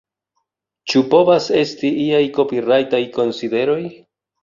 Ĉu povas esti iaj kopirajtaj konsideroj?